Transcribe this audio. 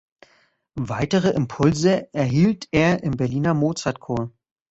Weitere Impulse erhielt er im Berliner Mozart-Chor.